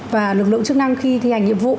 và lực lượng chức năng khi thi hành nhiệm vụ